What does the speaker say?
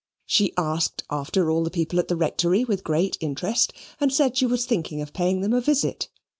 She asked after all the people at the Rectory with great interest; and said she was thinking of paying them a visit.